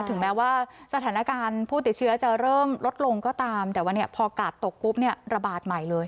ถึงแม้ว่าสถานการณ์ผู้ติดเชื้อจะเริ่มลดลงก็ตามแต่ว่าเนี่ยพอกาดตกปุ๊บเนี่ยระบาดใหม่เลย